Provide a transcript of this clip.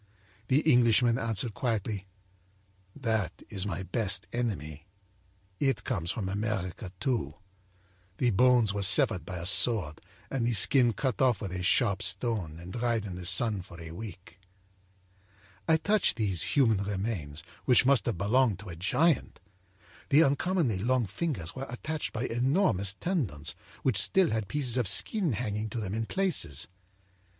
âThe Englishman answered quietly: â'That is my best enemy. It comes from America, too. The bones were severed by a sword and the skin cut off with a sharp stone and dried in the sun for a week.' âI touched these human remains, which must have belonged to a giant. The uncommonly long fingers were attached by enormous tendons which still had pieces of skin hanging to them in places.